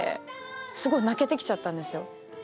すごい泣けてきちゃったんですよ。